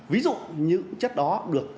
ví dụ những chất đó được